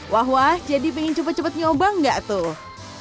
wah wah jadi pengen cepet cepet nyobang nggak tuh